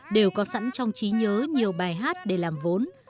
đều có sẵn trong trí nhớ nhiều bài hát để làm vốn